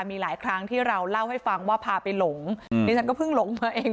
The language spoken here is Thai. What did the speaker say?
มีหลายครั้งที่เราเล่าให้ฟังว่าพาไปหลงดิฉันก็เพิ่งหลงมาเอง